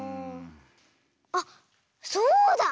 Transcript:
あっそうだ！